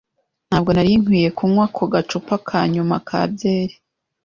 Ntabwo nari nkwiye kunywa ako gacupa ka nyuma ka byeri.